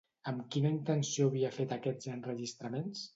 Amb quina intenció havia fet aquests enregistraments?